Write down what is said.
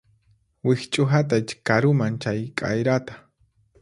Wikch'uhatay karuman chay k'ayrata